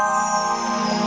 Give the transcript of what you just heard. pasti dia ketakutan